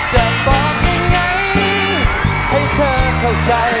จะบอกยังไงให้เธอเข้าใจ